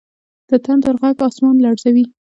د تندر ږغ اسمان لړزوي.